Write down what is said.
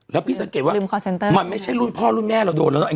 แล้วพี่สังเกตว่ามันไม่ใช่รุ่นพ่อรุ่นแม่เราโดนแล้วเนาะ